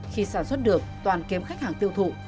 khi sản xuất được toàn kém khách hàng tiêu thụ